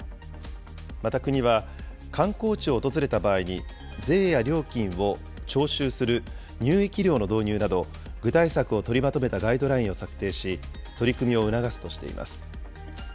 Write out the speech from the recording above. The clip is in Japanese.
また国は、観光地を訪れた場合に税や料金を徴収する入域料の導入など、具体策を取りまとめたガイドラインを策定し、取り組みを促すとしています。